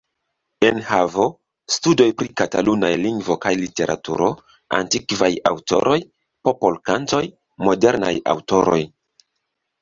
Enhavo: Studoj pri la katalunaj lingvo kaj literaturo; Antikvaj aŭtoroj; Popolkantoj; Modernaj aŭtoroj.